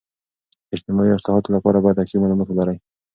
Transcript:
د اجتماعي اصلاحاتو لپاره باید دقیق معلومات ولري.